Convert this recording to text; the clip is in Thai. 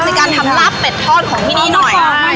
ในการทำลาบเป็ดทอดของที่นี่หน่อย